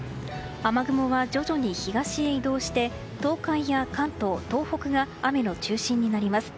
雨雲は徐々に東へ移動して東海や関東、東北が雨の中心になります。